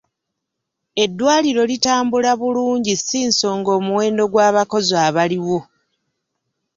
Eddwaliro litambula bulungi si nsonga omuwendo gw'abakozi abaliwo.